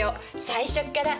最初から？